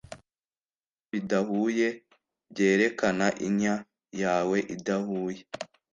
Kubikorwa bidahuye byerekana inya yawe idahuye